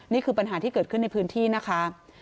นี่คือปัญหาที่เกิดขึ้นในพื้นที่นะคะ